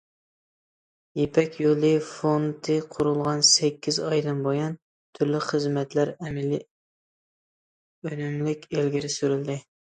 يىپەك يولى فوندى قۇرۇلغان سەككىز ئايدىن بۇيان، تۈرلۈك خىزمەتلەر ئەمەلىي، ئۈنۈملۈك ئىلگىرى سۈرۈلدى.